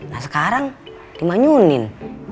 nah sekarang dimanyunin